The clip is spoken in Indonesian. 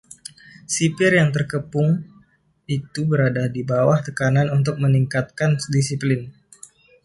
Sipir yang terkepung itu berada di bawah tekanan untuk meningkatkan disiplin.